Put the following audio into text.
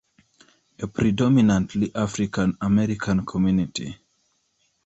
A predominantly African-American community.